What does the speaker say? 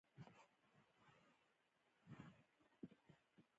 په دې وخت کې دفاعي حالت غوره کړ